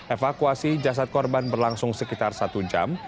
evakuasi jasad korban berlangsung sekitar satu jam